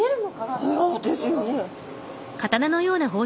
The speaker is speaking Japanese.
そうですよね。